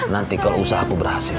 nanti kalau usaha aku berhasil